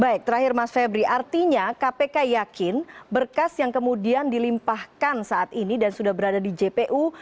baik terakhir mas febri artinya kpk yakin berkas yang kemudian dilimpahkan saat ini dan sudah berada di jpu